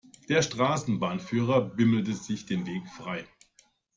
Der Straßenbahnführer bimmelte sich den Weg frei.